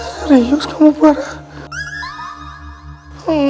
serius kamu parah